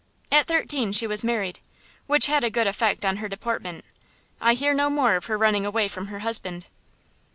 At thirteen she was married, which had a good effect on her deportment. I hear no more of her running away from her husband.